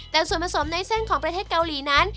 แต่ส่วนผสมในเส้นของประเทศเกาหลีนั้น